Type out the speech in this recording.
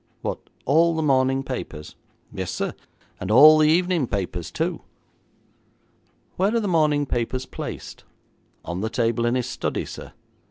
'What, all the morning papers?' 'Yes, sir, and all the evening papers too.' 'Where are the morning papers placed?' 'On the table in his study, sir.'